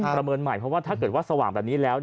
เมินใหม่เพราะว่าถ้าเกิดว่าสว่างแบบนี้แล้ว